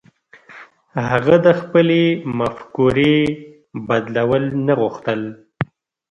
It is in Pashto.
هغه د خپلې مفکورې بدلول نه غوښتل.